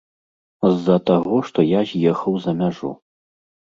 З-за таго, што я з'ехаў за мяжу.